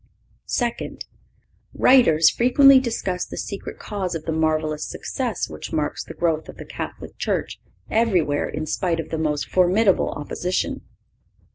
(529) Second—Writers frequently discuss the secret cause of the marvelous success which marks the growth of the Catholic Church everywhere in spite of the most formidable opposition.